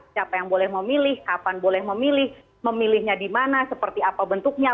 siapa yang boleh memilih kapan boleh memilih memilihnya di mana seperti apa bentuknya